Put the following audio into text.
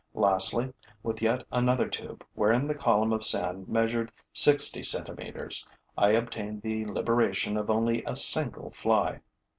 Lastly, with yet another tube wherein the column of sand measured sixty centimeters, I obtained the liberation of only a single fly.